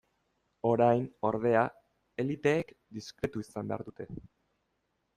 Orain, ordea, eliteek diskretu izan behar dute.